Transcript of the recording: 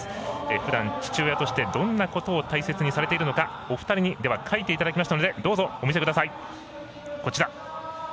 ふだん父親としてどんなことを大切にされているのかお二人に書いていただきました。